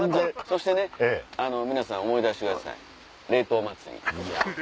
そしてね皆さん思い出してください。